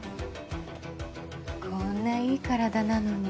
こんないい体なのに。